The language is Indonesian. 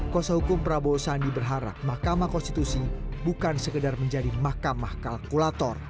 kuasa hukum prabowo sandi berharap mahkamah konstitusi bukan sekedar menjadi mahkamah kalkulator